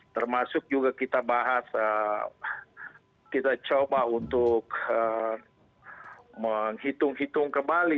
termasuk juga kita bahas kita coba untuk menghitung hitung kembali